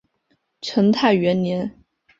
成泰元年。